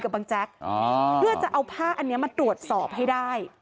เพื่อจะเอาผ้าอันนี้มาตรวจสอบให้ได้